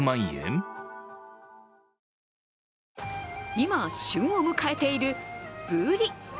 今、旬を迎えているブリ。